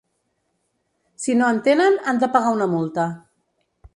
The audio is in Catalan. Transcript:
Si no en tenen, han de pagar una multa.